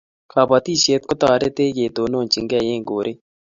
kabotishe kotoretech ketononchinkei en koree